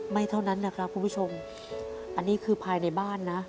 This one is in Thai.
เท่านั้นนะครับคุณผู้ชมอันนี้คือภายในบ้านนะ